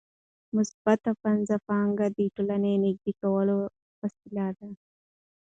مثبت منځپانګه د ټولنې نږدې کولو وسیله ده.